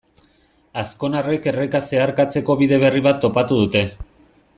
Azkonarrek erreka zeharkatzeko bide berri bat topatu dute.